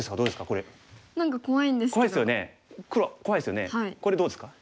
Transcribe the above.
これどうですか？